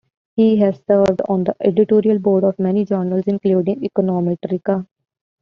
He has served on the editorial board of many journals, including "Econometrica".